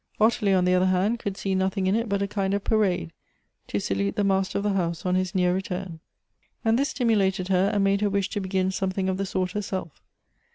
Ottilie, on the other hand, could see nothing in it but a kind of parade, to salute the master of the house on his near return. And this stimulated her, and made her wish to begin something of the sort herself.